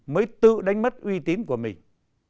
mới tự đánh mất uy tín của mình